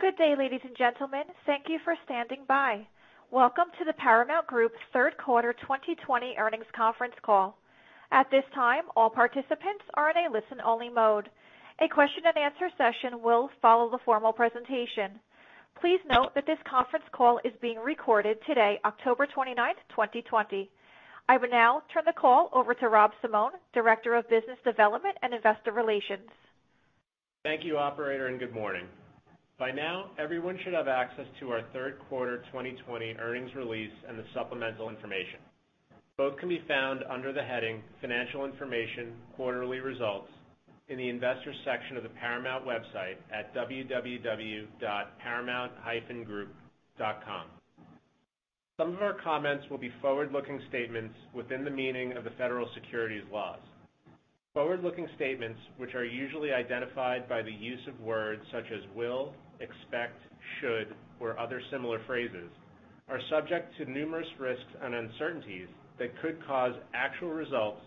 Good day, ladies and gentlemen. Thank you for standing by. Welcome to the Paramount Group Third Quarter 2020 Earnings Conference Call. At this time, all participants are in a listen only mode. A question and answer session will follow the formal presentation. Please note that this conference call is being recorded today, October 29, 2020. I will now turn the call over to Rob Simone, Director of Business Development and Investor Relations. Thank you operator. Good morning. By now, everyone should have access to our Third Quarter 2020 Earnings Release and the Supplemental Information. Both can be found under the heading Financial Information Quarterly Results in the Investors section of the Paramount website at www.paramount-group.com. Some of our comments will be forward-looking statements within the meaning of the federal securities laws. Forward-looking statements, which are usually identified by the use of words such as will, expect, should, or other similar phrases, are subject to numerous risks and uncertainties that could cause actual results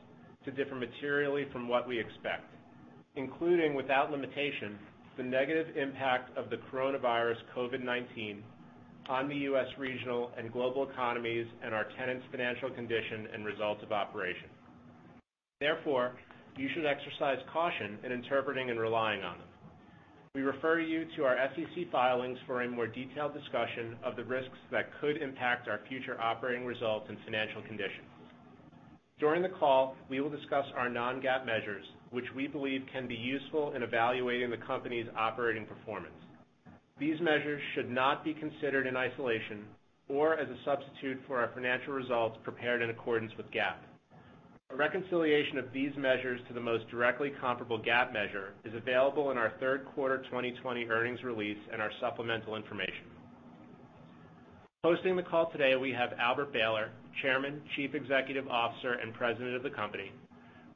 to differ materially from what we expect, including without limitation, the negative impact of the coronavirus COVID-19 on the U.S. regional and global economies and our tenants' financial condition and results of operation. Therefore, you should exercise caution in interpreting and relying on them. We refer you to our SEC filings for a more detailed discussion of the risks that could impact our future operating results and financial conditions. During the call, we will discuss our non-GAAP measures, which we believe can be useful in evaluating the company's operating performance. These measures should not be considered in isolation or as a substitute for our financial results prepared in accordance with GAAP. A reconciliation of these measures to the most directly comparable GAAP measure is available in our third quarter 2020 earnings release and our supplemental information. Hosting the call today, we have Albert Behler, Chairman, Chief Executive Officer and President of the company,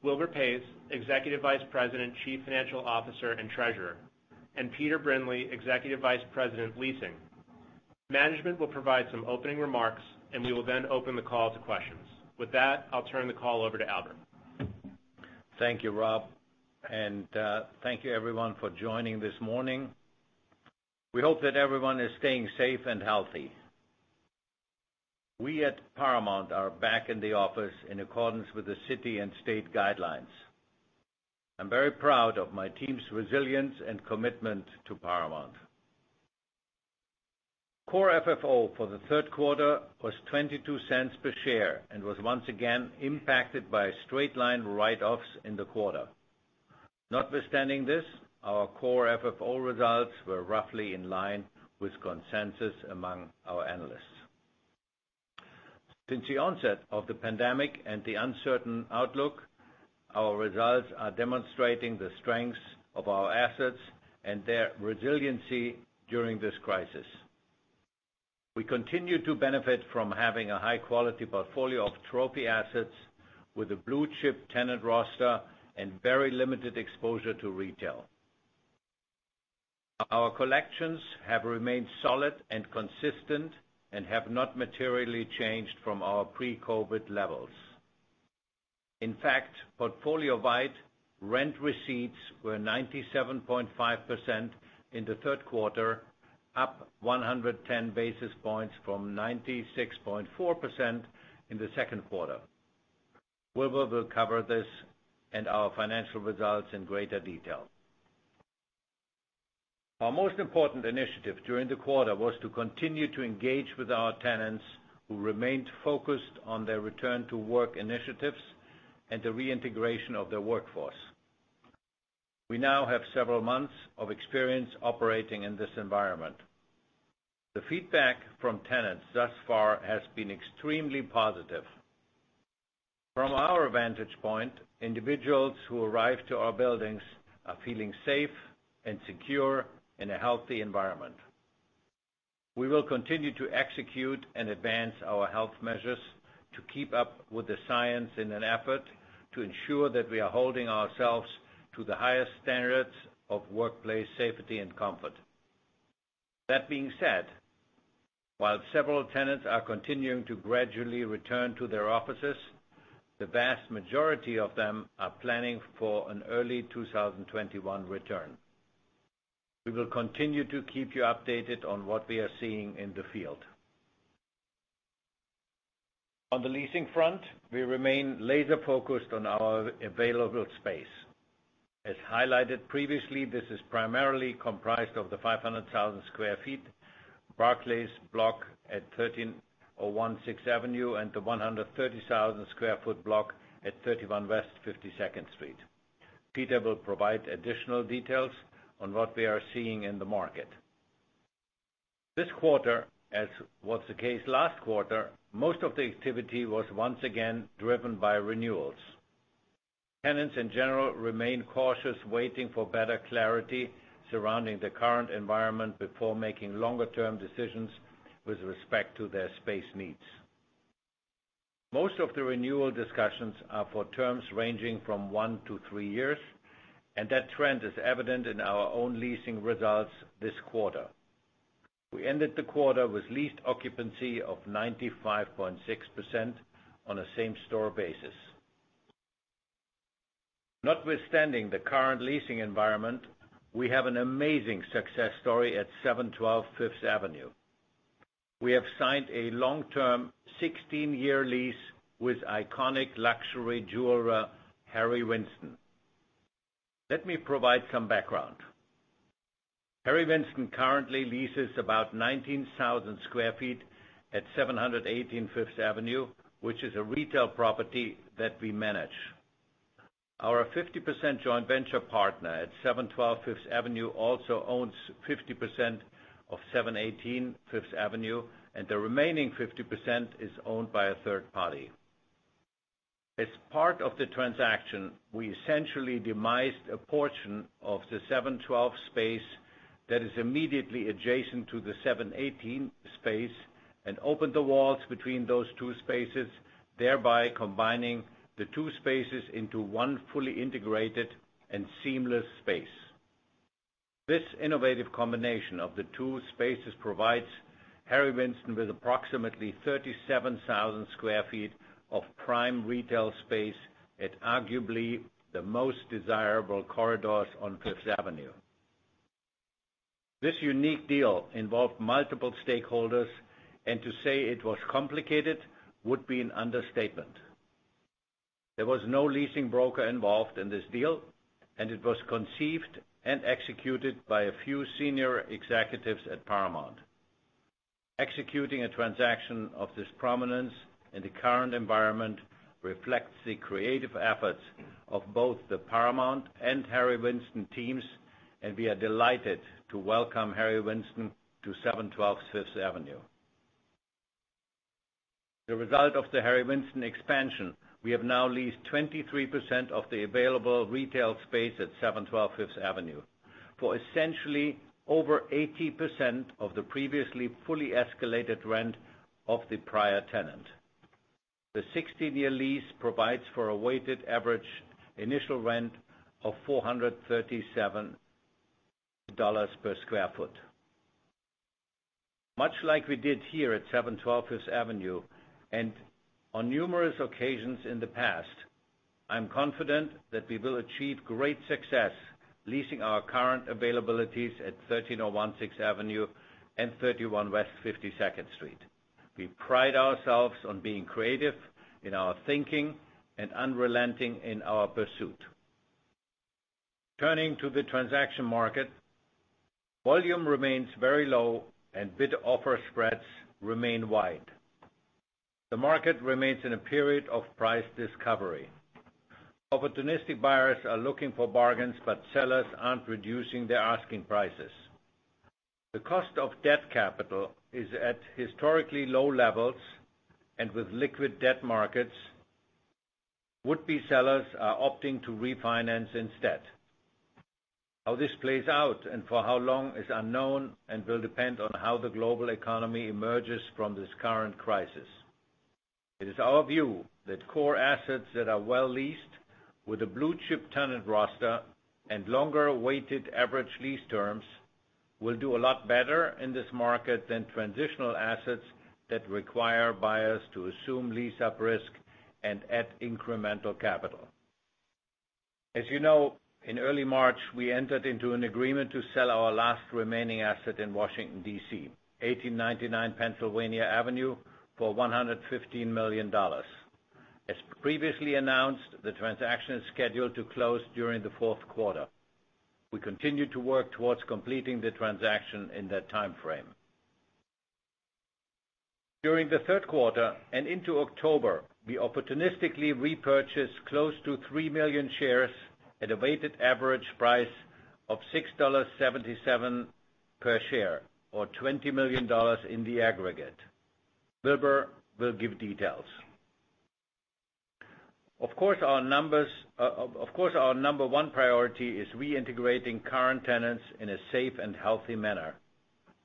Wilbur Paes, Executive Vice President, Chief Financial Officer and Treasurer, and Peter Brindley, Executive Vice President, Leasing. Management will provide some opening remarks. We will then open the call to questions. With that, I'll turn the call over to Albert. Thank you, Rob, and thank you everyone for joining this morning. We hope that everyone is staying safe and healthy. We at Paramount are back in the office in accordance with the city and state guidelines. I'm very proud of my team's resilience and commitment to Paramount. core FFO for the third quarter was $0.22 per share and was once again impacted by straight-line write-offs in the quarter. Notwithstanding this, our core FFO results were roughly in line with consensus among our analysts. Since the onset of the pandemic and the uncertain outlook, our results are demonstrating the strengths of our assets and their resiliency during this crisis. We continue to benefit from having a high quality portfolio of trophy assets with a blue chip tenant roster and very limited exposure to retail. Our collections have remained solid and consistent and have not materially changed from our pre-COVID-19 levels. In fact, portfolio wide rent receipts were 97.5% in the third quarter, up 110 basis points from 96.4% in the second quarter. Wilbur will cover this and our financial results in greater detail. Our most important initiative during the quarter was to continue to engage with our tenants who remained focused on their return to work initiatives and the reintegration of their workforce. We now have several months of experience operating in this environment. The feedback from tenants thus far has been extremely positive. From our vantage point, individuals who arrive to our buildings are feeling safe and secure in a healthy environment. We will continue to execute and advance our health measures to keep up with the science in an effort to ensure that we are holding ourselves to the highest standards of workplace safety and comfort. That being said, while several tenants are continuing to gradually return to their offices, the vast majority of them are planning for an early 2021 return. We will continue to keep you updated on what we are seeing in the field. On the leasing front, we remain laser focused on our available space. As highlighted previously, this is primarily comprised of the 500,000 sq ft Barclays block at 1301 Sixth Avenue and the 130,000 sq ft block at 31 West 52nd Street. Peter will provide additional details on what we are seeing in the market. This quarter, as was the case last quarter, most of the activity was once again driven by renewals. Tenants in general remain cautious, waiting for better clarity surrounding the current environment before making longer-term decisions with respect to their space needs. Most of the renewal discussions are for terms ranging from one to three years. That trend is evident in our own leasing results this quarter. We ended the quarter with leased occupancy of 95.6% on a same-store basis. Notwithstanding the current leasing environment, we have an amazing success story at 712 Fifth Avenue. We have signed a long-term 16-year lease with iconic luxury jeweler, Harry Winston. Let me provide some background. Harry Winston currently leases about 19,000 sq ft at 718 Fifth Avenue, which is a retail property that we manage. Our 50% joint venture partner at 712 Fifth Avenue also owns 50% of 718 Fifth Avenue. The remaining 50% is owned by a third party. As part of the transaction, we essentially demised a portion of the 712 space that is immediately adjacent to the 718 space and opened the walls between those two spaces, thereby combining the two spaces into one fully integrated and seamless space. This innovative combination of the two spaces provides Harry Winston with approximately 37,000 sq ft of prime retail space at arguably the most desirable corridors on Fifth Avenue. This unique deal involved multiple stakeholders, and to say it was complicated would be an understatement. There was no leasing broker involved in this deal, and it was conceived and executed by a few senior executives at Paramount. Executing a transaction of this prominence in the current environment reflects the creative efforts of both the Paramount and Harry Winston teams, and we are delighted to welcome Harry Winston to 712 Fifth Avenue. The result of the Harry Winston expansion, we have now leased 23% of the available retail space at 712 Fifth Avenue for essentially over 80% of the previously fully escalated rent of the prior tenant. The 16-year lease provides for a weighted average initial rent of $437 per sq ft. Much like we did here at 712 Fifth Avenue, and on numerous occasions in the past, I'm confident that we will achieve great success leasing our current availabilities at 1301 Sixth Avenue and 31 West 52nd Street. We pride ourselves on being creative in our thinking and unrelenting in our pursuit. Turning to the transaction market, volume remains very low, and bid offer spreads remain wide. The market remains in a period of price discovery. Opportunistic buyers are looking for bargains, but sellers aren't reducing their asking prices. The cost of debt capital is at historically low levels, and with liquid debt markets, would-be sellers are opting to refinance instead. How this plays out and for how long is unknown and will depend on how the global economy emerges from this current crisis. It is our view that core assets that are well leased with a blue-chip tenant roster and longer weighted average lease terms will do a lot better in this market than transitional assets that require buyers to assume lease-up risk and add incremental capital. As you know, in early March, we entered into an agreement to sell our last remaining asset in Washington, D.C., 1899 Pennsylvania Avenue, for $115 million. As previously announced, the transaction is scheduled to close during the fourth quarter. We continue to work towards completing the transaction in that time frame. During the third quarter and into October, we opportunistically repurchased close to 3 million shares at a weighted average price of $6.77 per share or $20 million in the aggregate. Wilbur will give details. Of course, our number one priority is reintegrating current tenants in a safe and healthy manner.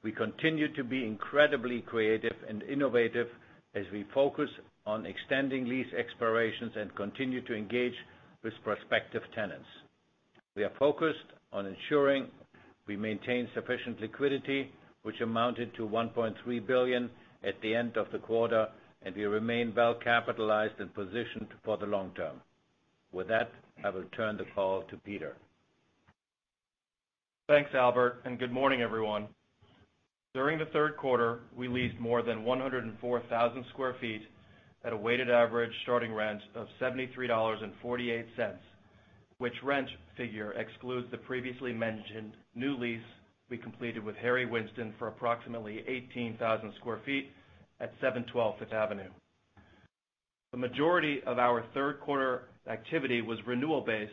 We continue to be incredibly creative and innovative as we focus on extending lease expirations and continue to engage with prospective tenants. We are focused on ensuring we maintain sufficient liquidity, which amounted to $1.3 billion at the end of the quarter, and we remain well capitalized and positioned for the long-term. With that, I will turn the call to Peter. Thanks, Albert, and good morning, everyone. During the third quarter, we leased more than 104,000 sq ft at a weighted average starting rent of $73.48, which rent figure excludes the previously mentioned new lease we completed with Harry Winston for approximately 18,000 sq ft at 712 Fifth Avenue. The majority of our third quarter activity was renewal based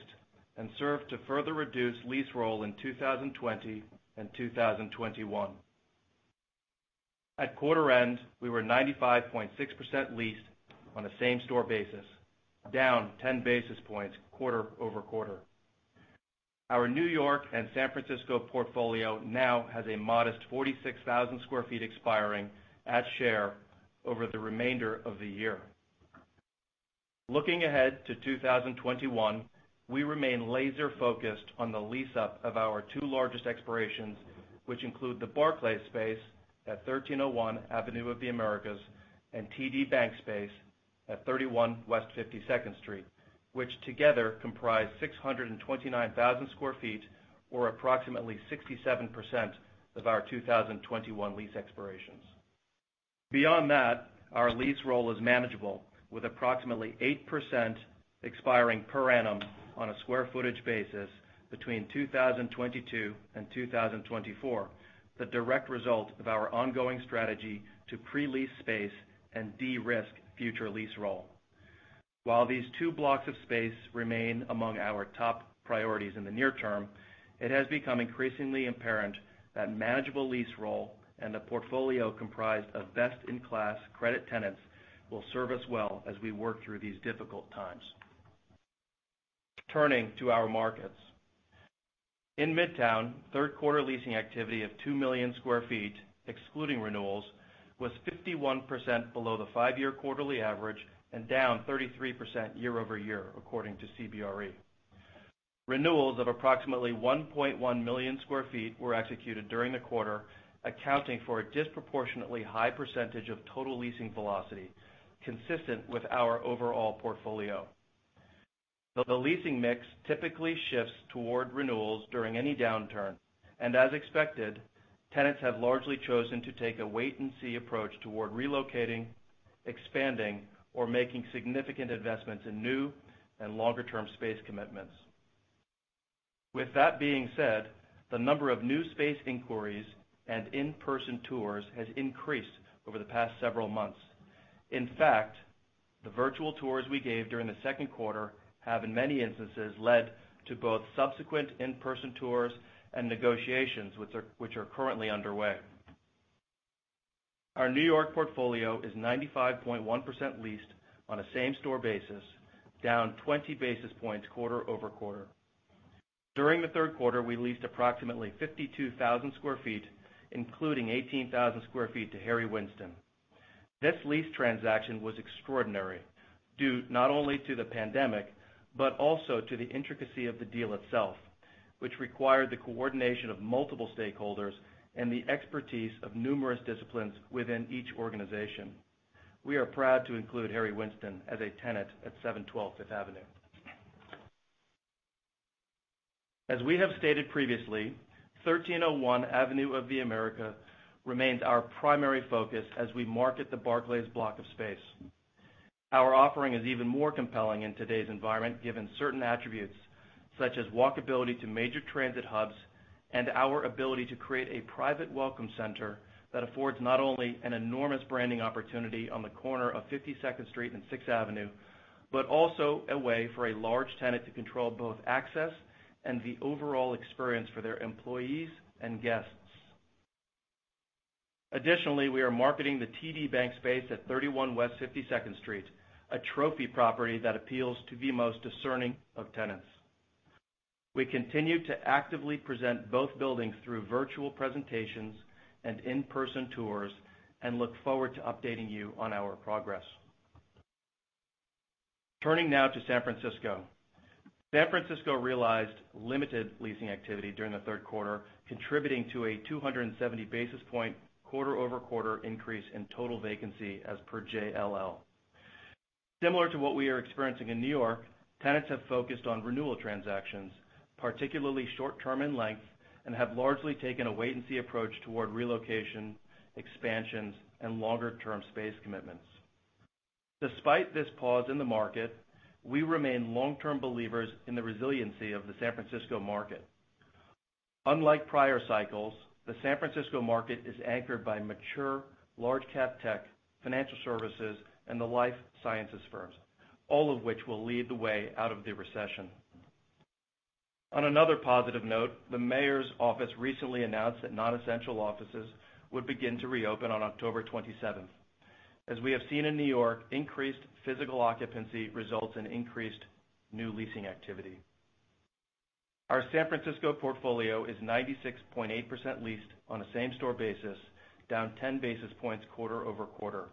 and served to further reduce lease roll in 2020 and 2021. At quarter end, we were 95.6% leased on a same-store basis, down 10 basis points quarter-over-quarter. Our New York and San Francisco portfolio now has a modest 46,000 sq ft expiring at share over the remainder of the year. Looking ahead to 2021, we remain laser focused on the lease-up of our two largest expirations, which include the Barclays space at 1301 Avenue of the Americas and TD Bank space at 31 West 52nd Street, which together comprise 629,000 sq ft, or approximately 67% of our 2021 lease expirations. Beyond that, our lease roll is manageable, with approximately 8% expiring per annum on a square footage basis between 2022 and 2024, the direct result of our ongoing strategy to pre-lease space and de-risk future lease roll. While these two blocks of space remain among our top priorities in the near-term, it has become increasingly apparent that manageable lease roll and a portfolio comprised of best-in-class credit tenants will serve us well as we work through these difficult times. Turning to our markets. In Midtown, third quarter leasing activity of 2 million square feet, excluding renewals, was 51% below the five-year quarterly average and down 33% year-over-year, according to CBRE. Renewals of approximately 1.1 million square feet were executed during the quarter, accounting for a disproportionately high percentage of total leasing velocity, consistent with our overall portfolio. Though the leasing mix typically shifts toward renewals during any downturn, and as expected, tenants have largely chosen to take a wait and see approach toward relocating, expanding, or making significant investments in new and longer-term space commitments. With that being said, the number of new space inquiries and in-person tours has increased over the past several months. In fact, the virtual tours we gave during the second quarter have, in many instances, led to both subsequent in-person tours and negotiations, which are currently underway. Our New York portfolio is 95.1% leased on a same-store basis, down 20 basis points quarter-over-quarter. During the third quarter, we leased approximately 52,000 sq ft, including 18,000 sq ft to Harry Winston. This lease transaction was extraordinary, due not only to the pandemic, but also to the intricacy of the deal itself, which required the coordination of multiple stakeholders and the expertise of numerous disciplines within each organization. We are proud to include Harry Winston as a tenant at 712 Fifth Avenue. As we have stated previously, 1301 Avenue of the Americas remains our primary focus as we market the Barclays block of space. Our offering is even more compelling in today's environment, given certain attributes such as walkability to major transit hubs and our ability to create a private welcome center that affords not only an enormous branding opportunity on the corner of 52nd Street and Sixth Avenue, but also a way for a large tenant to control both access and the overall experience for their employees and guests. Additionally, we are marketing the TD Bank space at 31 West 52nd Street, a trophy property that appeals to the most discerning of tenants. We continue to actively present both buildings through virtual presentations and in-person tours, and look forward to updating you on our progress. Turning now to San Francisco. San Francisco realized limited leasing activity during the third quarter, contributing to a 270 basis point quarter-over-quarter increase in total vacancy as per JLL. Similar to what we are experiencing in New York, tenants have focused on renewal transactions, particularly short-term in length, and have largely taken a wait and see approach toward relocation, expansions, and longer-term space commitments. Despite this pause in the market, we remain long-term believers in the resiliency of the San Francisco market. Unlike prior cycles, the San Francisco market is anchored by mature, large cap tech, financial services, and the life sciences firms, all of which will lead the way out of the recession. On another positive note, the mayor's office recently announced that non-essential offices would begin to reopen on October 27th. As we have seen in New York, increased physical occupancy results in increased new leasing activity. Our San Francisco portfolio is 96.8% leased on a same-store basis, down 10 basis points quarter-over-quarter.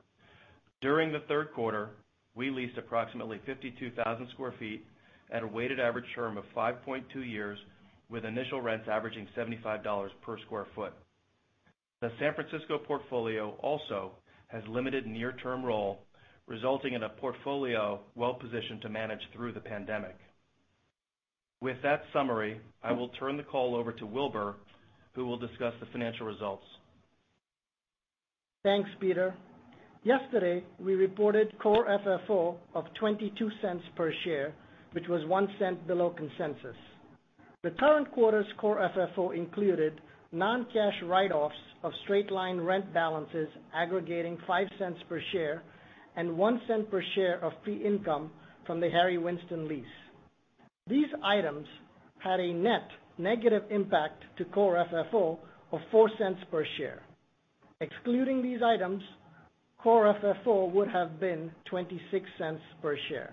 During the third quarter, we leased approximately 52,000 sq ft at a weighted average term of 5.2 years, with initial rents averaging $75 per sq ft. The San Francisco portfolio also has limited near-term roll, resulting in a portfolio well-positioned to manage through the pandemic. With that summary, I will turn the call over to Wilbur, who will discuss the financial results. Thanks, Peter. Yesterday, we reported core FFO of $0.22 per share, which was $0.01 below consensus. The current quarter's core FFO included non-cash write-offs of straight-line rent balances aggregating $0.05 per share and $0.01 per share of fee income from the Harry Winston lease. These items had a net negative impact to core FFO of $0.04 per share. Excluding these items, core FFO would have been $0.26 per share.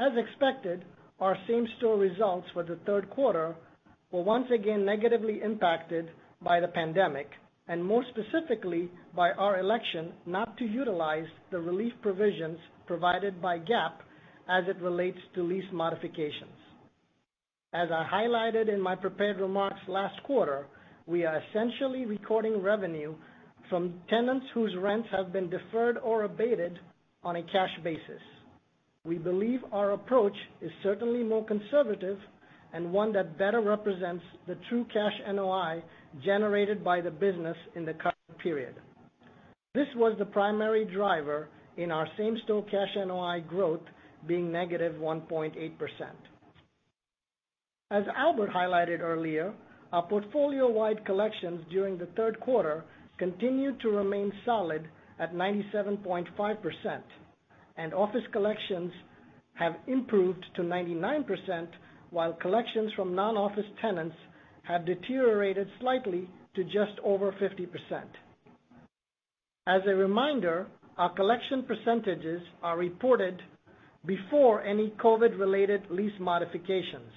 As expected, our same-store results for the third quarter were once again negatively impacted by the pandemic, and more specifically, by our election not to utilize the relief provisions provided by GAAP as it relates to lease modifications. As I highlighted in my prepared remarks last quarter, we are essentially recording revenue from tenants whose rents have been deferred or abated on a cash basis. We believe our approach is certainly more conservative and one that better represents the true cash NOI generated by the business in the current period. This was the primary driver in our same-store cash NOI growth being -1.8%. As Albert highlighted earlier, our portfolio-wide collections during the third quarter continued to remain solid at 97.5%, and office collections have improved to 99%, while collections from non-office tenants have deteriorated slightly to just over 50%. As a reminder, our collection percentages are reported before any COVID-related lease modifications.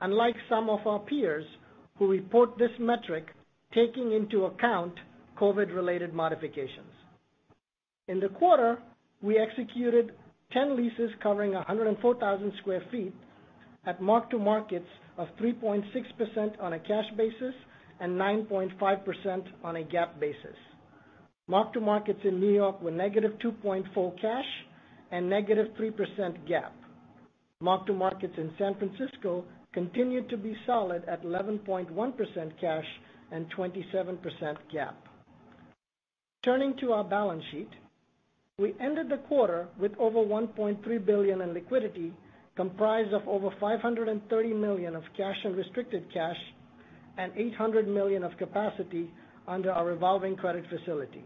Unlike some of our peers who report this metric, taking into account COVID-related modifications. In the quarter, we executed 10 leases covering 104,000 sq ft at mark-to-markets of 3.6% on a cash basis and 9.5% on a GAAP basis. Mark-to-markets in New York were -2.4% cash and -3% GAAP. Mark-to-markets in San Francisco continued to be solid at 11.1% cash and 27% GAAP. Turning to our balance sheet, we ended the quarter with over $1.3 billion in liquidity, comprised of over $530 million of cash in restricted cash and $800 million of capacity under our revolving credit facility.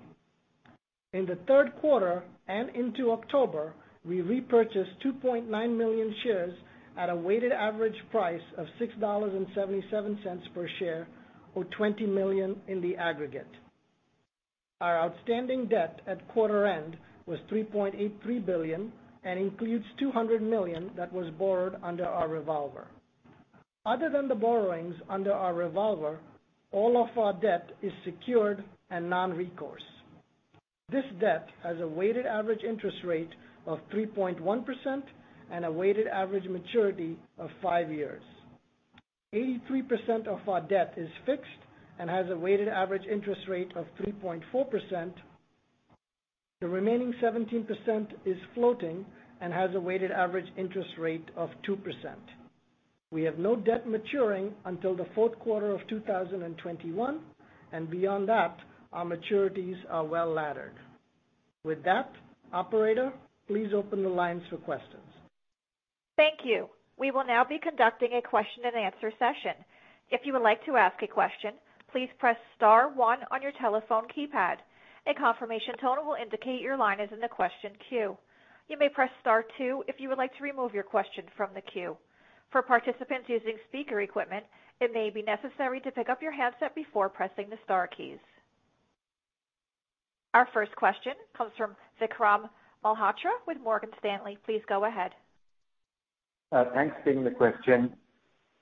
In the third quarter and into October, we repurchased 2.9 million shares at a weighted average price of $6.77 per share, or $20 million in the aggregate. Our outstanding debt at quarter end was $3.83 billion and includes $200 million that was borrowed under our revolver. Other than the borrowings under our revolver, all of our debt is secured and non-recourse. This debt has a weighted average interest rate of 3.1% and a weighted average maturity of five years. 83% of our debt is fixed and has a weighted average interest rate of 3.4%. The remaining 17% is floating and has a weighted average interest rate of 2%. We have no debt maturing until the fourth quarter of 2021. Beyond that, our maturities are well laddered. With that, operator, please open the lines for questions. Thank you. We will now be conducting a question and answer session. If you would like to ask a question, please press star one on your telephone keypad. A confirmation tone will indicate your line is in the question queue. You may press star two if you would like to remove your question from the queue. For participants using speaker equipment, it may be necessary to pick up your handset before pressing the star keys. Our first question comes from Vikram Malhotra with Morgan Stanley. Please go ahead. Thanks. Taking the question.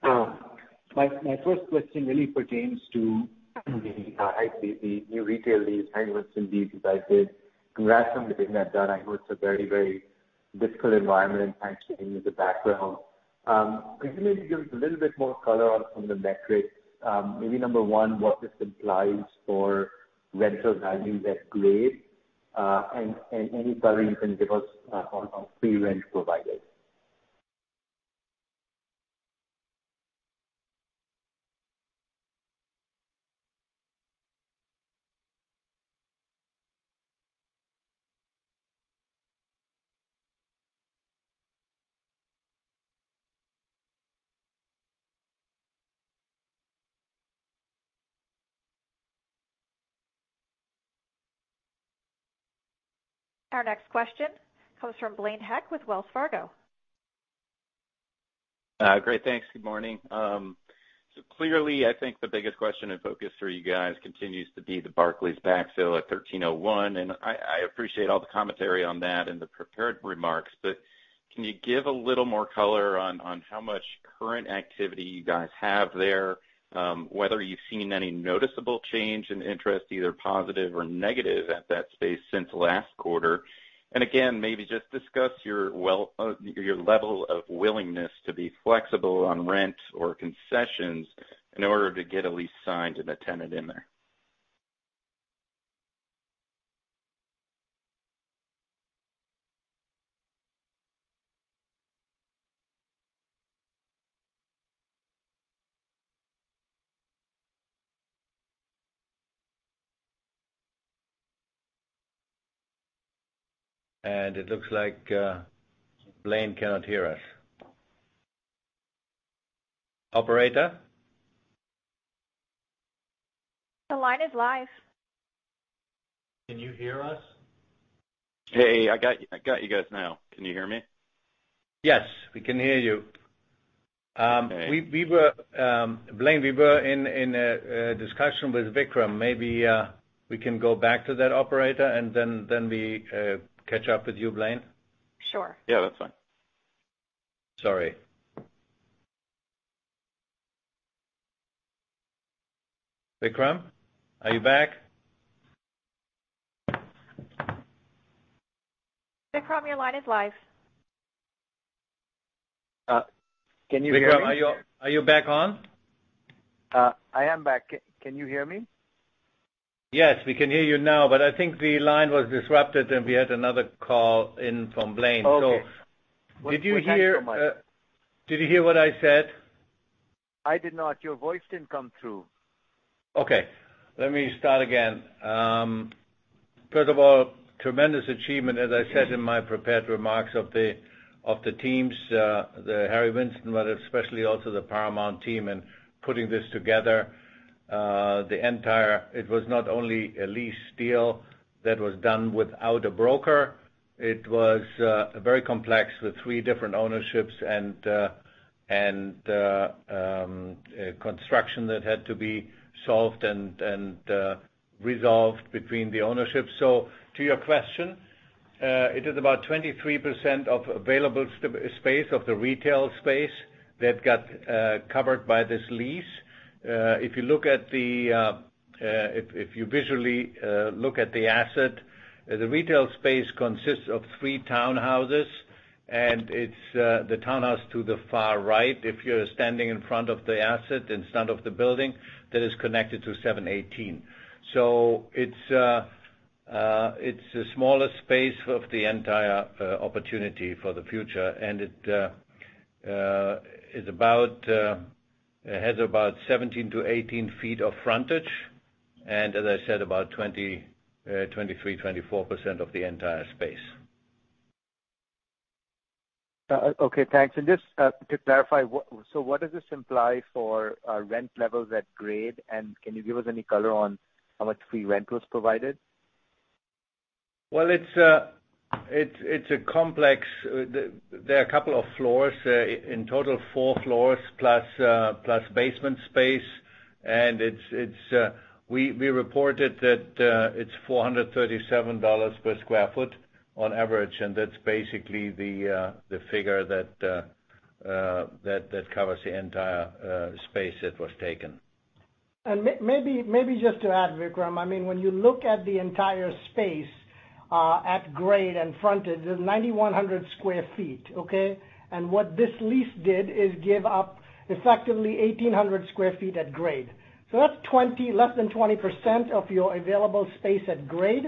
My first question really pertains to the [ICP], new retail lease, [Harry Winston lease, as I said]. Congrats on the business done. I know it's a very difficult environment. Thanks for giving me the background. Could you maybe give us a little bit more color on some of the metrics? Maybe number one, what this implies for rental values at [grade], and any color you can give us on free rent provided. Our next question comes from Blaine Heck with Wells Fargo. Great. Thanks. Good morning. Clearly, I think the biggest question and focus for you guys continues to be the Barclays backfill at 1301. I appreciate all the commentary on that in the prepared remarks. Can you give a little more color on how much current activity you guys have there, whether you've seen any noticeable change in interest, either positive or negative at that space since last quarter? Again, maybe just discuss your level of willingness to be flexible on rent or concessions in order to get a lease signed and a tenant in there. It looks like Blaine cannot hear us. Operator? The line is live. Can you hear us? Hey, I got you guys now. Can you hear me? Yes, we can hear you. Okay. Blaine, we were in a discussion with Vikram. Maybe we can go back to that, operator, and then we catch up with you, Blaine. Sure. Yeah, that's fine. Sorry. Vikram, are you back? Vikram, your line is live. Can you hear me? Vikram, are you back on? I am back. Can you hear me? Yes, we can hear you now, but I think the line was disrupted, and we had another call in from Blaine. Okay. Did you hear what I said? I did not. Your voice didn't come through. Let me start again. First of all, tremendous achievement, as I said in my prepared remarks, of the teams, the Harry Winston, especially also the Paramount team in putting this together. It was not only a lease deal that was done without a broker. It was very complex, with three different ownerships and construction that had to be solved and resolved between the ownership. To your question, it is about 23% of available space of the retail space that got covered by this lease. If you visually look at the asset, the retail space consists of three townhouses, and it's the townhouse to the far right if you're standing in front of the asset, in front of the building, that is connected to 718. It's a smaller space of the entire opportunity for the future, it has about 17-18 ft of frontage. As I said, about 23%, 24% of the entire space. Okay, thanks. Just to clarify, what does this imply for rent levels at grade? Can you give us any color on how much free rent was provided? Well, it's a complex. There are a couple of floors, in total, four floors, plus basement space. We reported that it's $437 per sq ft on average. That's basically the figure that covers the entire space that was taken. Maybe just to add, Vikram, when you look at the entire space at grade and frontage, there's 9,100 sq ft, okay? What this lease did is give up effectively 1,800 sq ft at grade. That's less than 20% of your available space at grade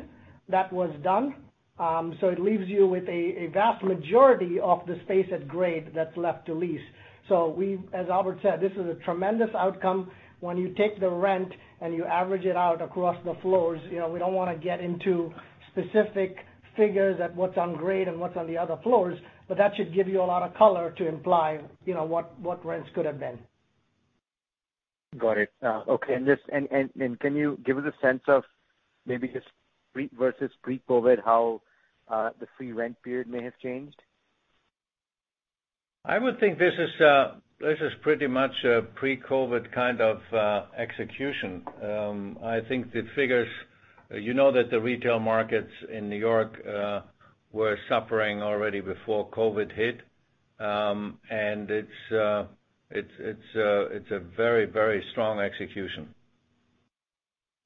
that was done. It leaves you with a vast majority of the space at grade that's left to lease. As Albert said, this is a tremendous outcome when you take the rent and you average it out across the floors. We don't want to get into specific figures at what's on grade and what's on the other floors, but that should give you a lot of color to imply what rents could have been. Got it. Okay. Can you give us a sense of maybe just versus pre-COVID, how the free rent period may have changed? I would think this is pretty much a pre-COVID kind of execution. You know that the retail markets in New York were suffering already before COVID hit. It's a very strong execution.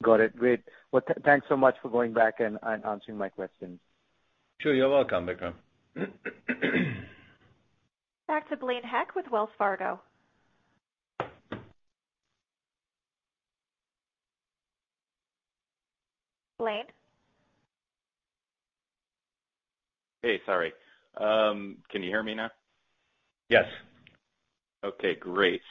Got it. Great. Well, thanks so much for going back and answering my questions. Sure. You're welcome, Vikram. Back to Blaine Heck with Wells Fargo. Blaine? Hey, sorry. Can you hear me now? Yes. Okay, great.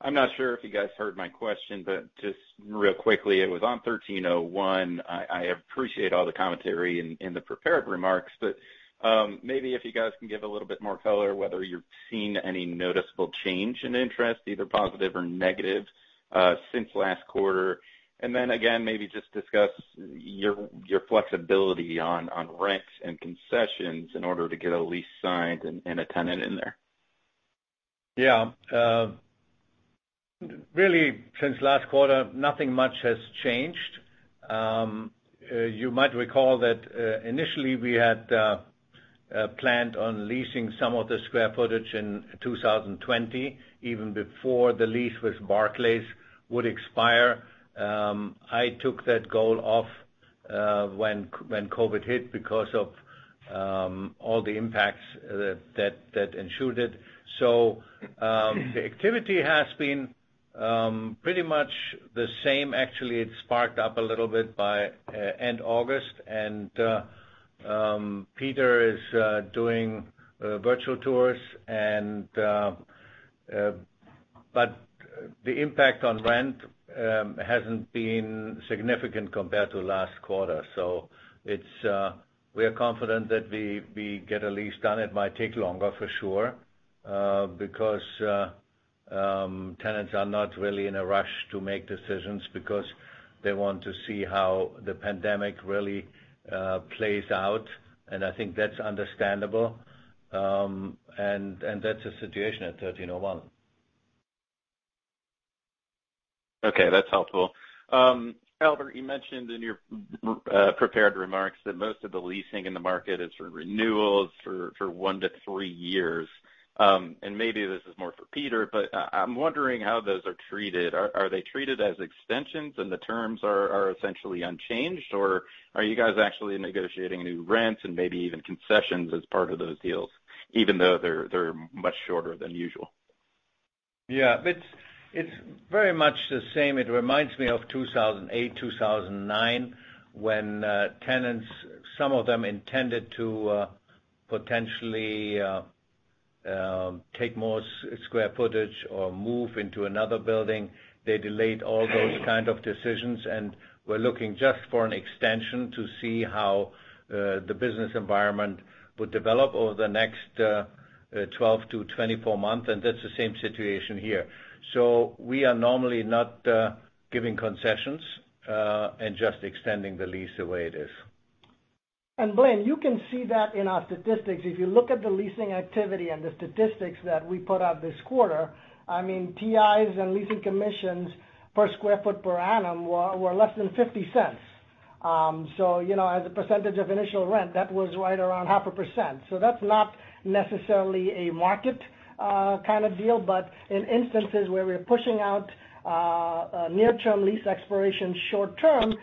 I'm not sure if you guys heard my question, but just real quickly, it was on 1301. I appreciate all the commentary in the prepared remarks, but maybe if you guys can give a little bit more color whether you're seeing any noticeable change in interest, either positive or negative, since last quarter. Then again, maybe just discuss your flexibility on rents and concessions in order to get a lease signed and a tenant in there. Yeah. Really, since last quarter, nothing much has changed. You might recall that initially we had planned on leasing some of the square footage in 2020, even before the lease with Barclays would expire. I took that goal off when COVID hit because of all the impacts that ensued it. The activity has been pretty much the same. Actually, it sparked up a little bit by end August, and Peter is doing virtual tours. The impact on rent hasn't been significant compared to last quarter. We are confident that we get a lease done. It might take longer, for sure, because tenants are not really in a rush to make decisions because they want to see how the pandemic really plays out. I think that's understandable. That's the situation at 1301. Okay, that's helpful. Albert, you mentioned in your prepared remarks that most of the leasing in the market is for renewals for one to three years. Maybe this is more for Peter, but I'm wondering how those are treated. Are they treated as extensions and the terms are essentially unchanged, or are you guys actually negotiating new rents and maybe even concessions as part of those deals, even though they're much shorter than usual? Yeah. It's very much the same. It reminds me of 2008, 2009, when tenants, some of them intended to potentially take more square footage or move into another building. They delayed all those kind of decisions, and were looking just for an extension to see how the business environment would develop over the next 12 to 24 months. That's the same situation here. We are normally not giving concessions, and just extending the lease the way it is. Blaine, you can see that in our statistics. If you look at the leasing activity and the statistics that we put out this quarter, TIs and leasing commissions per square foot per annum were less than $0.50. As a percentage of initial rent, that was right around 0.5%. That's not necessarily a market kind of deal, but in instances where we're pushing out near-term lease expiration short-term,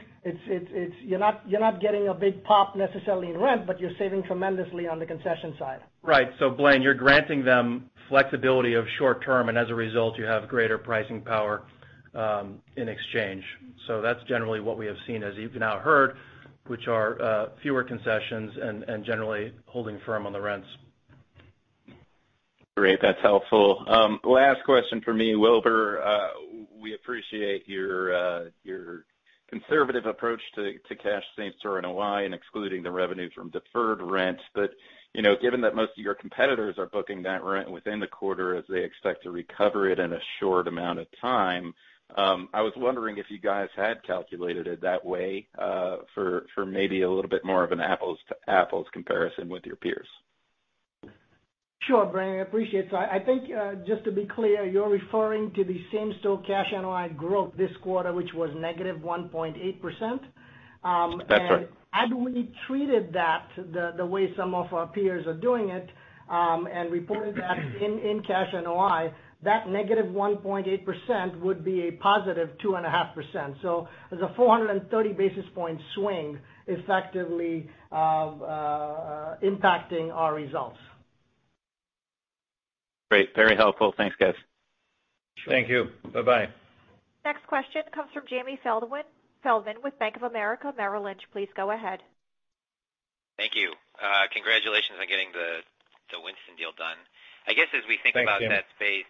you're not getting a big pop necessarily in rent, but you're saving tremendously on the concession side. Right. Blaine, you're granting them flexibility of short-term, and as a result, you have greater pricing power in exchange. That's generally what we have seen, as you've now heard, which are fewer concessions and generally holding firm on the rents. Great. That's helpful. Last question from me. Wilbur, we appreciate your conservative approach to cash same-store NOI and excluding the revenues from deferred rents. Given that most of your competitors are booking that rent within the quarter as they expect to recover it in a short amount of time, I was wondering if you guys had calculated it that way for maybe a little bit more of an apples to apples comparison with your peers. Sure, Blaine, I appreciate it. I think, just to be clear, you're referring to the same-store cash NOI growth this quarter, which was -1.8%. That's right. Had we treated that the way some of our peers are doing it, and reported that in cash NOI, that -1.8% would be a +2.5%. There's a 430 basis point swing effectively impacting our results. Great. Very helpful. Thanks, guys. Thank you. Bye-bye. Next question comes from Jamie Feldman with Bank of America Merrill Lynch. Please go ahead. Thank you. Congratulations on getting the Winston deal done. Thanks, Jamie. I guess, as we think about that space,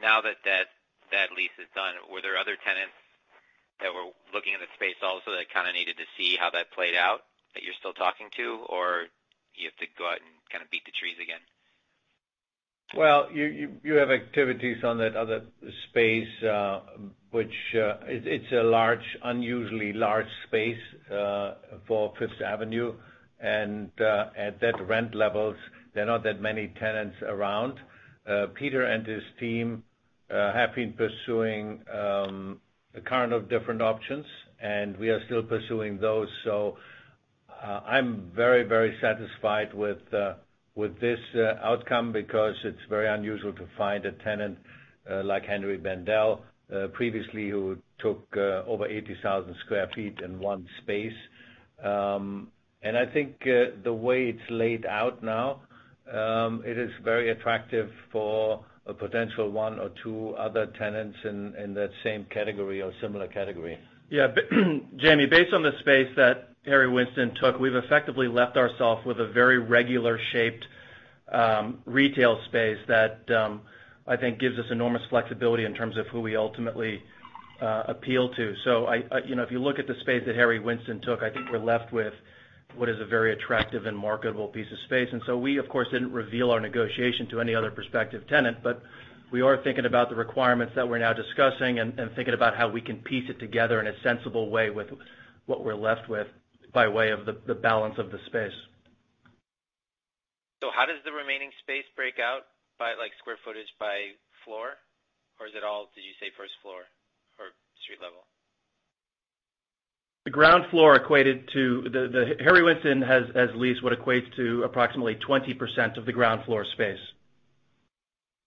now that that lease is done, were there other tenants that were looking at the space also that kind of needed to see how that played out that you're still talking to, or you have to go out and kind of beat the trees again? Well, you have activities on that other space, which it's a unusually large space for Fifth Avenue. At that rent levels, there are not that many tenants around. Peter and his team have been pursuing a current of different options, and we are still pursuing those. I'm very satisfied with this outcome because it's very unusual to find a tenant like Henri Bendel, previously who took over 80,000 sq ft in one space. I think the way it's laid out now, it is very attractive for a potential one or two other tenants in that same category or similar category. Yeah. Jamie, based on the space that Harry Winston took, we've effectively left ourselves with a very regular-shaped retail space that I think gives us enormous flexibility in terms of who we ultimately appeal to. If you look at the space that Harry Winston took, I think we're left with what is a very attractive and marketable piece of space. We, of course, didn't reveal our negotiation to any other prospective tenant, but we are thinking about the requirements that we're now discussing and thinking about how we can piece it together in a sensible way with what we're left with by way of the balance of the space. How does the remaining space break out by square footage by floor? Or is it all, did you say first floor or street level? Harry Winston has leased what equates to approximately 20% of the ground floor space.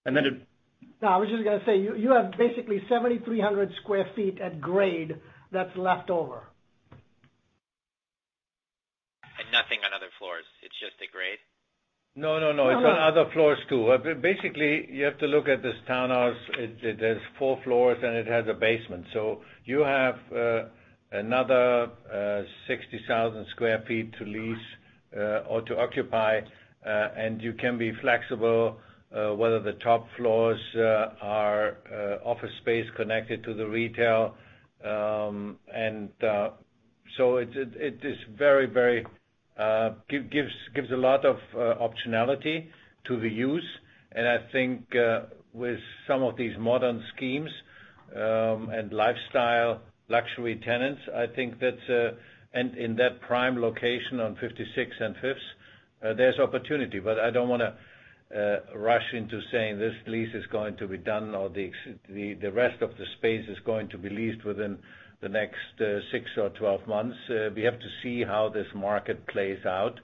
No, I was just going to say, you have basically 7,300 sq ft at grade that's left over. Nothing on other floors. It's just the grade? No, it's on other floors, too. Basically, you have to look at this townhouse. It has four floors, and it has a basement. You have another 60,000 sq ft to lease or to occupy. You can be flexible, whether the top floors are office space connected to the retail. It gives a lot of optionality to the use. I think with some of these modern schemes, and lifestyle luxury tenants, I think in that prime location on 56th and Fifth, there's opportunity. I don't want to rush into saying this lease is going to be done or the rest of the space is going to be leased within the next 6 or 12 months. We have to see how this market plays out.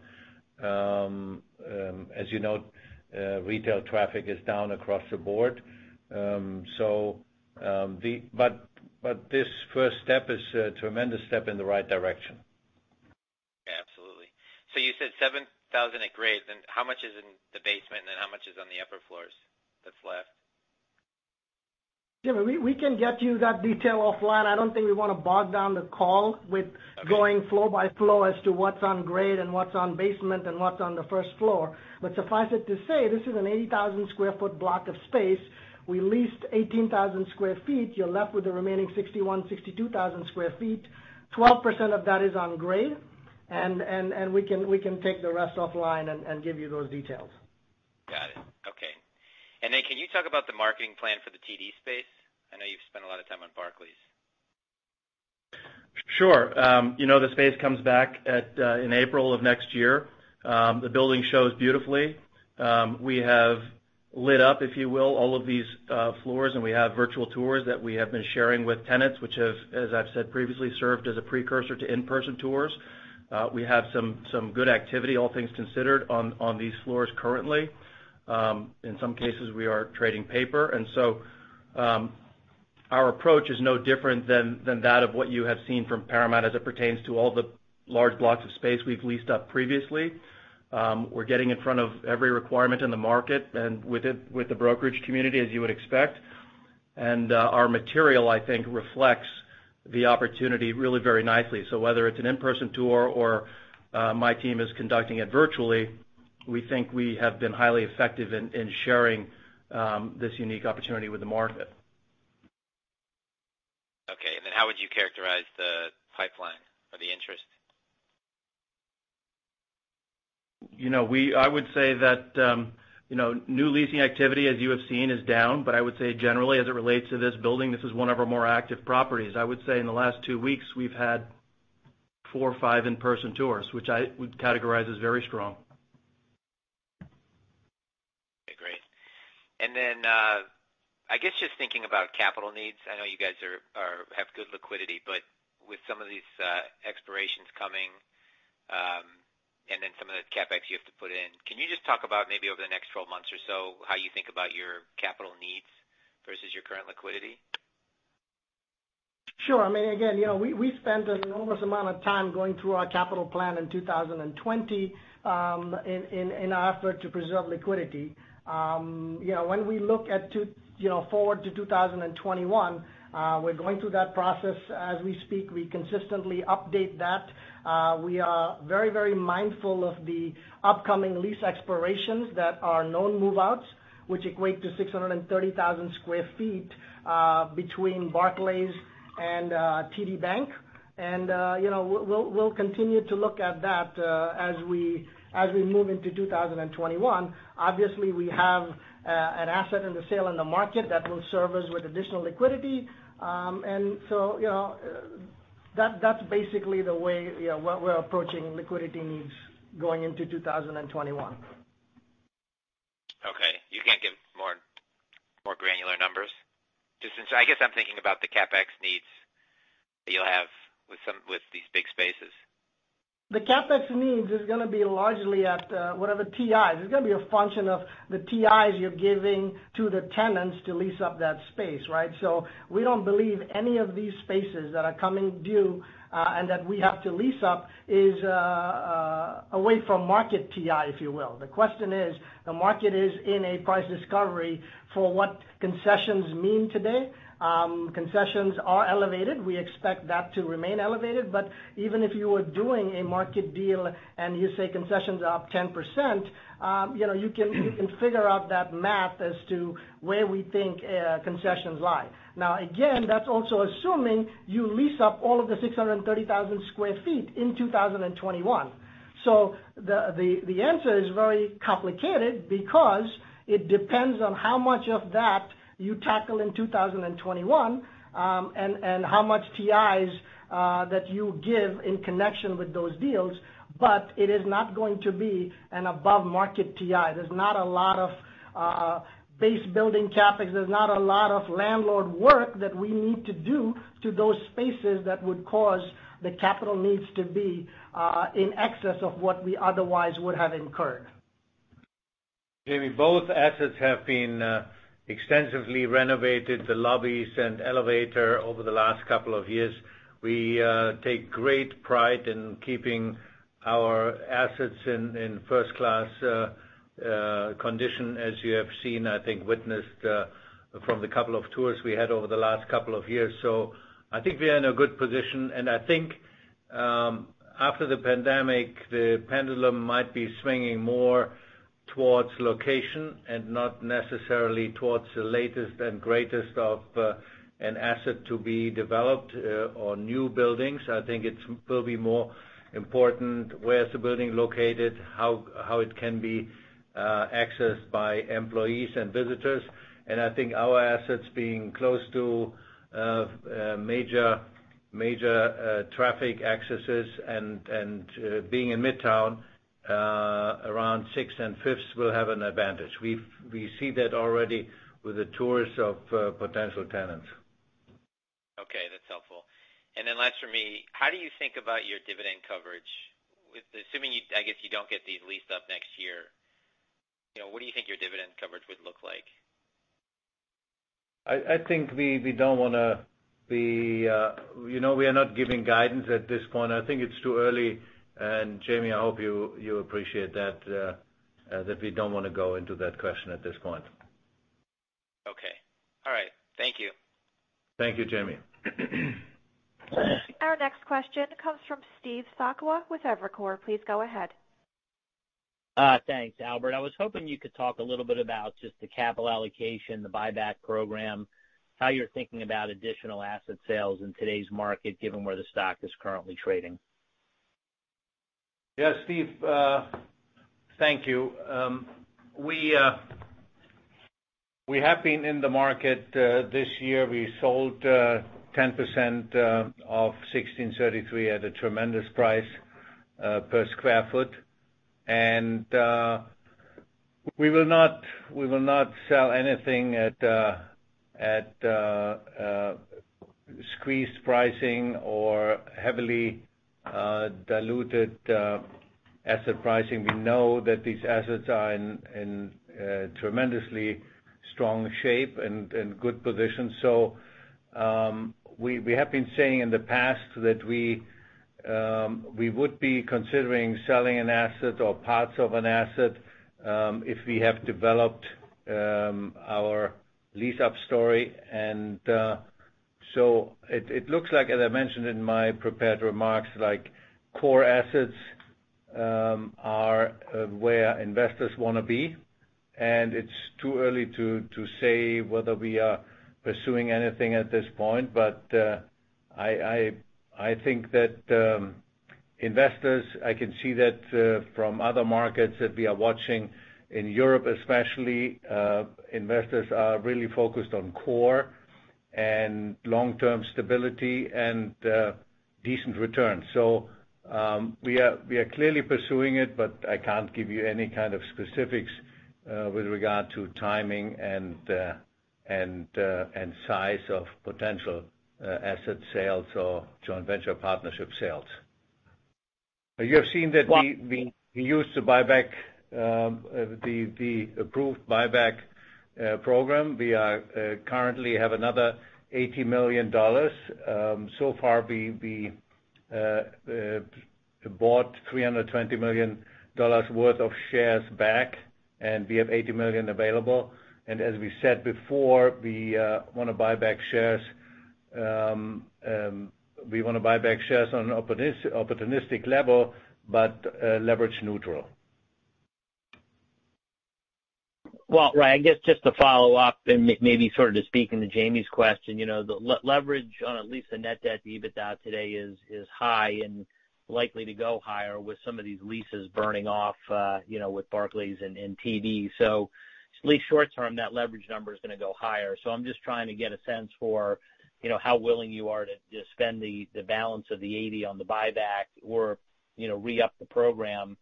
As you know, retail traffic is down across the board. This first step is a tremendous step in the right direction. You said 7,000 at grade, then how much is in the basement and then how much is on the upper floors that's left? Jamie, we can get you that detail offline. I don't think we want to bog down the call with. Okay. Going floor by floor as to what's on grade and what's on basement and what's on the first floor. Suffice it to say, this is an 80,000 sq ft block of space. We leased 18,000 sq ft. You're left with the remaining 61,000, 62,000 sq ft. 12% of that is on grade. We can take the rest offline and give you those details. Got it. Okay. Can you talk about the marketing plan for the TD space? I know you've spent a lot of time on Barclays. Sure. The space comes back in April of next year. The building shows beautifully. We have lit up, if you will, all of these floors, and we have virtual tours that we have been sharing with tenants, which have, as I've said previously, served as a precursor to in-person tours. We have some good activity, all things considered, on these floors currently. In some cases, we are trading paper. Our approach is no different than that of what you have seen from Paramount as it pertains to all the large blocks of space we've leased up previously. We're getting in front of every requirement in the market and with the brokerage community, as you would expect. Our material, I think, reflects the opportunity really very nicely. Whether it's an in-person tour or my team is conducting it virtually, we think we have been highly effective in sharing this unique opportunity with the market. Okay, how would you characterize the pipeline or the interest? I would say that new leasing activity, as you have seen, is down. I would say generally, as it relates to this building, this is one of our more active properties. I would say in the last two weeks, we've had four or five in-person tours, which I would categorize as very strong. Okay, great. I guess just thinking about capital needs, I know you guys have good liquidity, but with some of these expirations coming, and then some of the CapEx you have to put in, can you just talk about maybe over the next 12 months or so, how you think about your capital needs versus your current liquidity? Sure. We spent an enormous amount of time going through our capital plan in 2020 in our effort to preserve liquidity. When we look forward to 2021, we're going through that process as we speak. We consistently update that. We are very mindful of the upcoming lease expirations that are known move-outs, which equate to 630,000 sq ft between Barclays and TD Bank. We'll continue to look at that as we move into 2021. Obviously, we have an asset in the sale in the market that will serve us with additional liquidity. That's basically the way we're approaching liquidity needs going into 2021. Okay. You can't give more granular numbers? I guess I'm thinking about the CapEx needs that you'll have with these big spaces. The CapEx needs is going to be largely at whatever TIs. It's going to be a function of the TIs you're giving to the tenants to lease up that space, right? We don't believe any of these spaces that are coming due, and that we have to lease up, is away from market TI, if you will. The question is, the market is in a price discovery for what concessions mean today. Concessions are elevated. We expect that to remain elevated. Even if you were doing a market deal and you say concessions are up 10%, you can figure out that math as to where we think concessions lie. Again, that's also assuming you lease up all of the 630,000 sq ft in 2021. The answer is very complicated because it depends on how much of that you tackle in 2021, and how much TIs that you give in connection with those deals. It is not going to be an above-market TI. There's not a lot of base building CapEx. There's not a lot of landlord work that we need to do to those spaces that would cause the capital needs to be in excess of what we otherwise would have incurred. Jamie, both assets have been extensively renovated, the lobbies and elevator over the last couple of years. We take great pride in keeping our assets in first-class condition, as you have seen, I think, witnessed from the couple of tours we had over the last couple of years. I think we are in a good position, and I think after the pandemic, the pendulum might be swinging more towards location and not necessarily towards the latest and greatest of an asset to be developed or new buildings. I think it will be more important where's the building located, how it can be accessed by employees and visitors. I think our assets being close to major traffic accesses and being in Midtown, around 6th and 5th will have an advantage. We see that already with the tours of potential tenants. Okay, that's helpful. Then last for me, how do you think about your dividend coverage? Assuming, I guess you don't get these leased up next year, what do you think your dividend coverage would look like? I think we are not giving guidance at this point. I think it's too early. Jamie, I hope you appreciate that we don't want to go into that question at this point. Okay. All right. Thank you. Thank you, Jamie. Our next question comes from Steve Sakwa with Evercore. Please go ahead. Thanks, Albert. I was hoping you could talk a little bit about just the capital allocation, the buyback program, how you're thinking about additional asset sales in today's market, given where the stock is currently trading? Yes, Steve. Thank you. We have been in the market. This year, we sold 10% of 1633 at a tremendous price per square foot. We will not sell anything at squeezed pricing or heavily diluted asset pricing. We know that these assets are in tremendously strong shape and in good position. We have been saying in the past that we would be considering selling an asset or parts of an asset if we have developed our lease-up story. It looks like, as I mentioned in my prepared remarks, core assets are where investors want to be. It's too early to say whether we are pursuing anything at this point. I think that investors, I can see that from other markets that we are watching in Europe, especially, investors are really focused on core and long-term stability and decent returns. We are clearly pursuing it, but I can't give you any kind of specifics with regard to timing and size of potential asset sales or joint venture partnership sales. You have seen that we used the approved buyback program. We currently have another $80 million. So far, we bought $320 million worth of shares back, and we have $80 million available. As we said before, we want to buy back shares on an opportunistic level, but leverage neutral. Well, I guess just to follow-up and maybe sort of to speak into Jamie's question. The leverage on at least the net debt to EBITDA today is high and likely to go higher with some of these leases burning off with Barclays and TD. At least short-term, that leverage number is going to go higher. I'm just trying to get a sense for how willing you are to spend the balance of the $80 on the buyback or re-up the program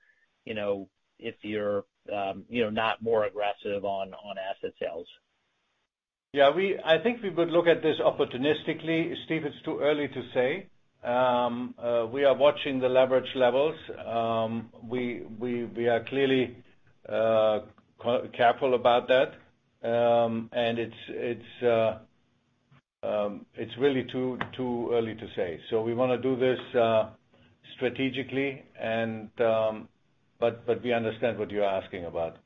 if you're not more aggressive on asset sales. Yeah. I think we would look at this opportunistically. Steve, it's too early to say. We are watching the leverage levels. We are clearly careful about that. It's really too early to say. We want to do this strategically, but we understand what you're asking about.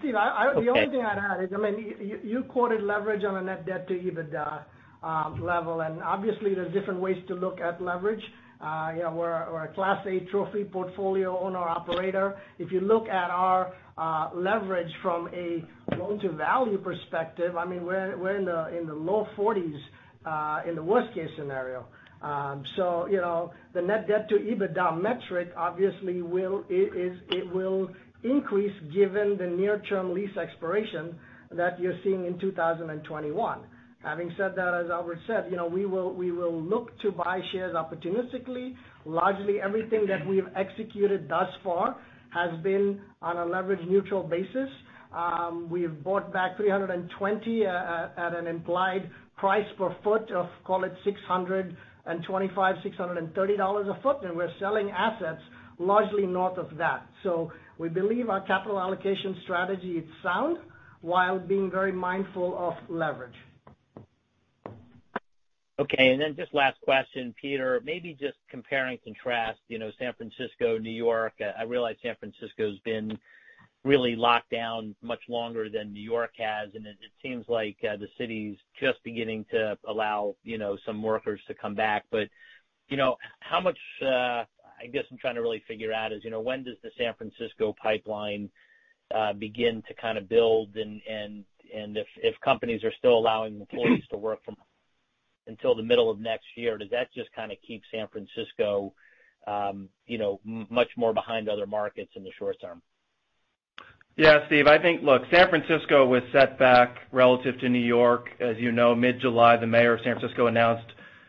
Steve, the only thing I'd add is, you quoted leverage on a net debt to EBITDA level, obviously there are different ways to look at leverage. We're a Class A trophy portfolio owner operator. If you look at our leverage from a loan-to-value perspective, we're in the low 40s in the worst-case scenario. The net debt to EBITDA metric obviously it will increase given the near-term lease expiration that you're seeing in 2021. Having said that, as Albert said, we will look to buy shares opportunistically. Largely everything that we've executed thus far has been on a leverage neutral basis. We've bought back 320 at an implied price per foot of, call it $625, $630 a foot, and we're selling assets largely north of that. We believe our capital allocation strategy is sound while being very mindful of leverage. Okay, just last question, Peter. Maybe just compare and contrast San Francisco, New York. I realize San Francisco's been really locked down much longer than New York has, and it seems like the city's just beginning to allow some workers to come back. How much, I guess I'm trying to really figure out is, when does the San Francisco pipeline begin to kind of build? If companies are still allowing employees to work from home until the middle of next year, does that just kind of keep San Francisco much more behind other markets in the short-term? Steve, I think, look, San Francisco was set back relative to New York. As you know, mid-July, the mayor of San Francisco announced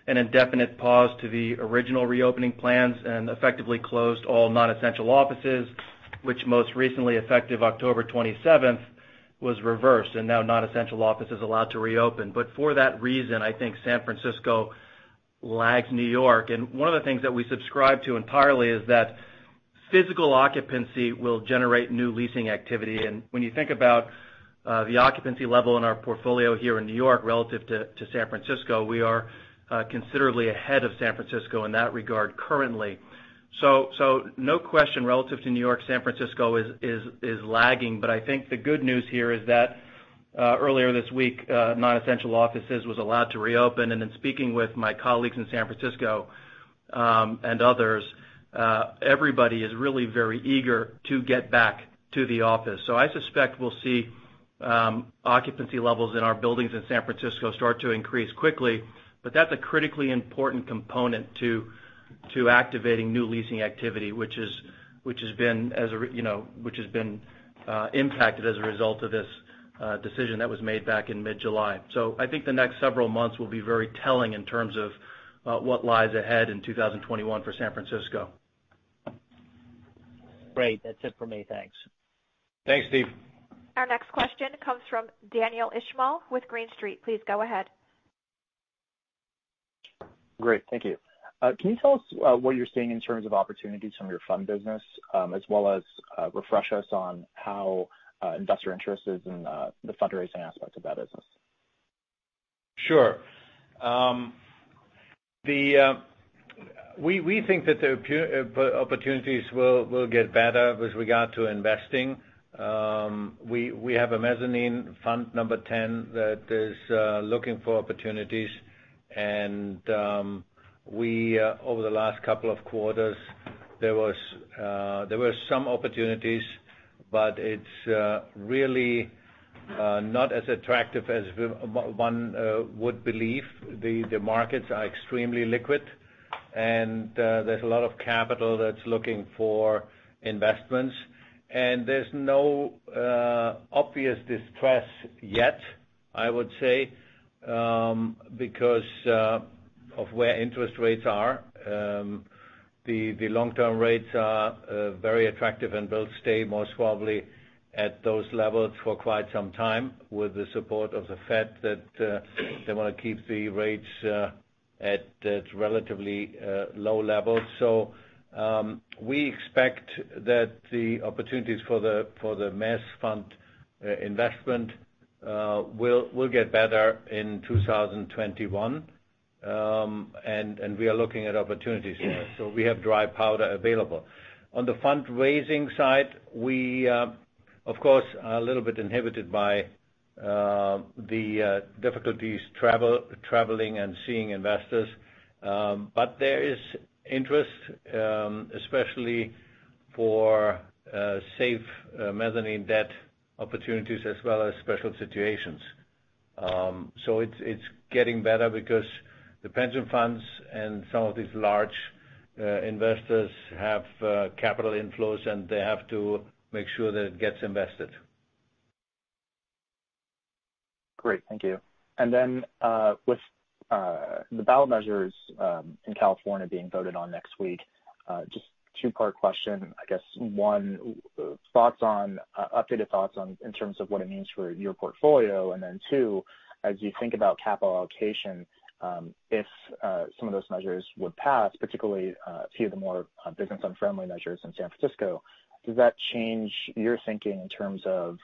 an indefinite pause to the original reopening plans and effectively closed all non-essential offices, which most recently, effective October 27th, was reversed, and now non-essential offices allowed to reopen. For that reason, I think San Francisco lags New York. One of the things that we subscribe to entirely is that physical occupancy will generate new leasing activity. When you think about the occupancy level in our portfolio here in New York relative to San Francisco, we are considerably ahead of San Francisco in that regard currently. No question, relative to New York, San Francisco is lagging. I think the good news here is that earlier this week, non-essential offices was allowed to reopen. In speaking with my colleagues in San Francisco and others, everybody is really very eager to get back to the office. I suspect we'll see occupancy levels in our buildings in San Francisco start to increase quickly. That's a critically important component to activating new leasing activity, which has been impacted as a result of this decision that was made back in mid-July. I think the next several months will be very telling in terms of what lies ahead in 2021 for San Francisco. Great. That's it for me. Thanks. Thanks, Steve. Our next question comes from Daniel Ismail with Green Street. Please go ahead. Great. Thank you. Can you tell us what you're seeing in terms of opportunities from your fund business, as well as refresh us on how investor interest is in the fundraising aspect of that business? Sure. We think that the opportunities will get better with regard to investing. We have a mezzanine fund number 10 that is looking for opportunities. Over the last couple of quarters, there were some opportunities, but it's really not as attractive as one would believe. The markets are extremely liquid. There's a lot of capital that's looking for investments, and there's no obvious distress yet, I would say, because of where interest rates are. The long-term rates are very attractive and will stay most probably at those levels for quite some time with the support of the Fed that they want to keep the rates at relatively low levels. We expect that the opportunities for the mezz fund investment will get better in 2021. We are looking at opportunities there. We have dry powder available. On the fundraising side, we, of course, are a little bit inhibited by the difficulties traveling and seeing investors. There is interest, especially for safe mezzanine debt opportunities as well as special situations. It's getting better because the pension funds and some of these large investors have capital inflows, and they have to make sure that it gets invested. Great. Thank you. With the ballot measures in California being voted on next week, just two-part question. I guess one, updated thoughts in terms of what it means for your portfolio. Two, as you think about capital allocation, if some of those measures would pass, particularly a few of the more business-unfriendly measures in San Francisco, does that change your thinking in terms of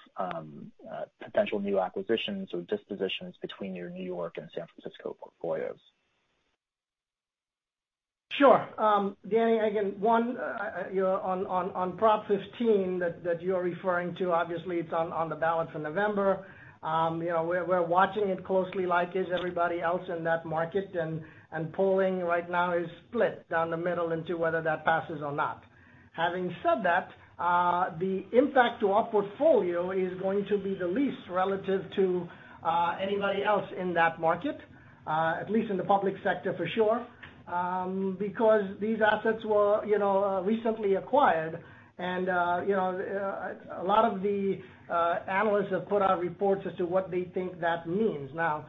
potential new acquisitions or dispositions between your New York and San Francisco portfolios? Sure. Danny, again, one, on Prop 15 that you're referring to, obviously it's on the ballot for November. We're watching it closely like is everybody else in that market, polling right now is split down the middle into whether that passes or not. Having said that, the impact to our portfolio is going to be the least relative to anybody else in that market, at least in the public sector for sure because these assets were recently acquired. A lot of the analysts have put out reports as to what they think that means. Now,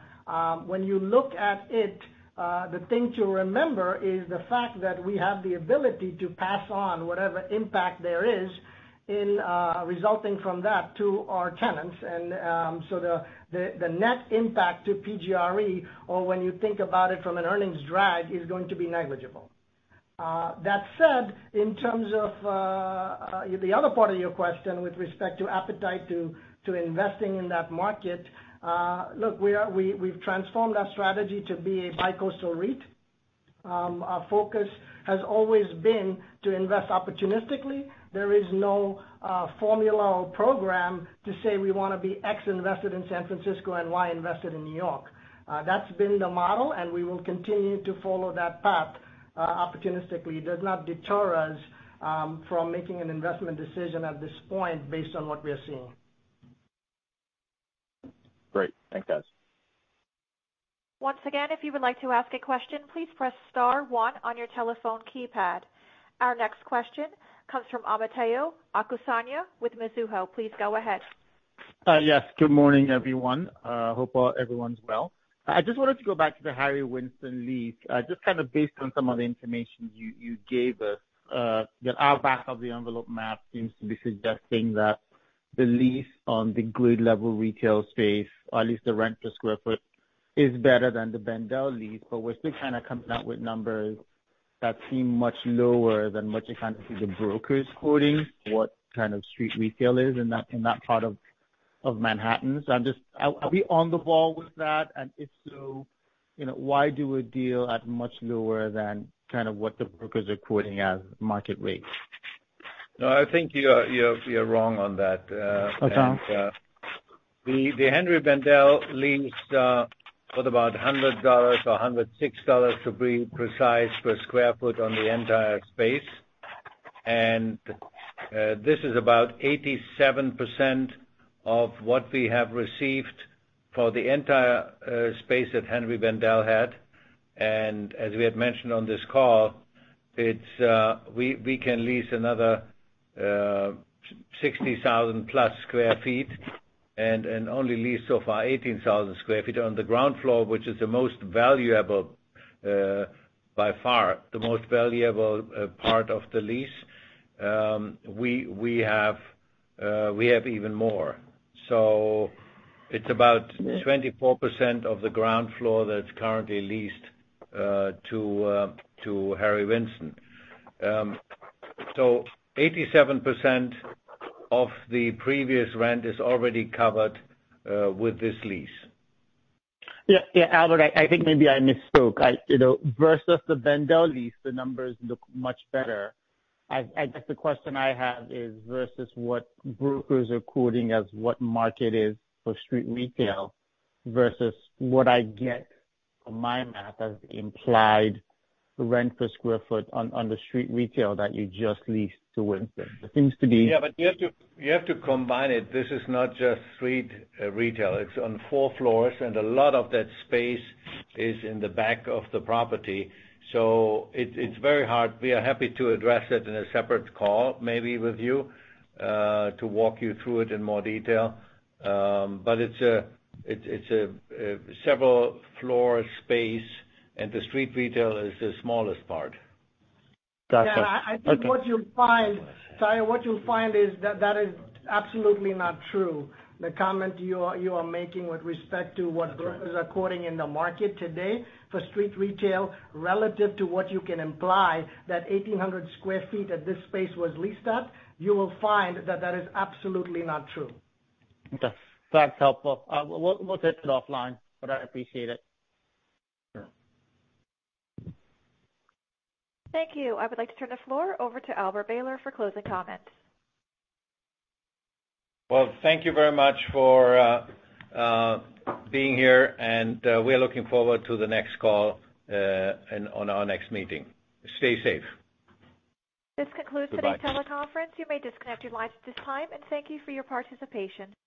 when you look at it, the thing to remember is the fact that we have the ability to pass on whatever impact there is resulting from that to our tenants. So the net impact to PGRE, or when you think about it from an earnings drag, is going to be negligible. That said, in terms of the other part of your question with respect to appetite to investing in that market, look, we've transformed our strategy to be a bi-coastal REIT. Our focus has always been to invest opportunistically. There is no formula or program to say we want to be X invested in San Francisco and Y invested in New York. That's been the model, and we will continue to follow that path opportunistically. It does not deter us from making an investment decision at this point based on what we are seeing. Great. Thanks, guys. Once again, if you would like to ask a question, please press star one on your telephone keypad. Our next question comes from Omotayo Okusanya with Mizuho. Please go ahead. Yes. Good morning, everyone. Hope everyone's well. I just wanted to go back to the Harry Winston lease. Just kind of based on some of the information you gave us, our back-of-the-envelope math seems to be suggesting that the lease on the [grade-level] retail space, or at least the rent per square foot is better than the Bendel lease, but we're still kind of coming out with numbers that seem much lower than what you kind of see the brokers quoting, what kind of street retail is in that part of Manhattan. Are we on the ball with that? If so, why do we deal at much lower than kind of what the brokers are quoting as market rates? No, I think you're wrong on that. Okay. The Henri Bendel leased for about $100 or $106, to be precise, per sq ft on the entire space. This is about 87% of what we have received for the entire space that Henri Bendel had. As we had mentioned on this call, we can lease another 60,000+ sq ft and only leased so far 18,000 sq ft on the ground floor, which is by far, the most valuable part of the lease. We have even more. It's about 24% of the ground floor that's currently leased to Harry Winston. 87% of the previous rent is already covered with this lease. Yeah. Albert, I think maybe I misspoke. Versus the Henri Bendel lease, the numbers look much better. I guess the question I have is versus what brokers are quoting as what market is for street retail versus what I get from my math as implied rent per square foot on the street retail that you just leased to Harry Winston. You have to combine it. This is not just street retail. It's on four floors, and a lot of that space is in the back of the property. It's very hard. We are happy to address it in a separate call, maybe with you, to walk you through it in more detail. It's a several-floor space, and the street retail is the smallest part. Gotcha. Okay. Yeah, I think what you'll find, what you'll find is that is absolutely not true. The comment you are making with respect to what brokers are quoting in the market today for street retail relative to what you can imply that 1,800 sq ft that this space was leased at, you will find that that is absolutely not true. Okay. That's helpful. We'll take it offline, but I appreciate it. Sure. Thank you. I would like to turn the floor over to Albert Behler for closing comments. Well, thank you very much for being here, and we are looking forward to the next call and on our next meeting. Stay safe. This concludes. Goodbye. Today's teleconference. You may disconnect your lines at this time, and thank you for your participation.